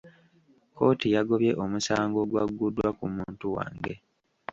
Kkooti yagobye omusango ogwagguddwa ku muntu wange.